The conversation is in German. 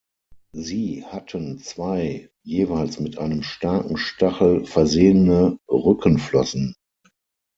Sie hatten zwei jeweils mit einem starken Stachel versehene Rückenflossen.